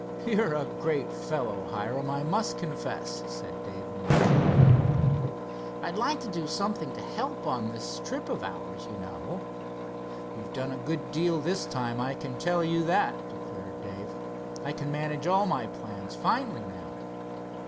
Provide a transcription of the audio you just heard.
"You're a great fellow, Hiram, I must confess," said Dave admiringly. "I'd like to do something to help on this trip of ours, you know." "You've done a good deal this time, I can tell you that," declared Dave. "I can manage all my plans finely, now."